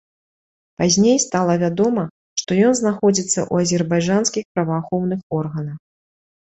Пазней стала вядома, што ён знаходзіцца ў азербайджанскіх праваахоўных органах.